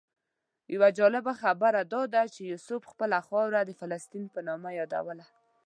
یوه جالبه خبره دا وه چې یوسف خپله خاوره د فلسطین په نامه یادوله.